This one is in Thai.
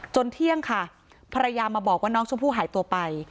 เที่ยงค่ะภรรยามาบอกว่าน้องชมพู่หายตัวไป